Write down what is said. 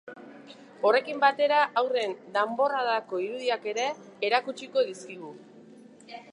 Horrekin batera, haurren danborradako irudiak ere erakutsiko dizkigu.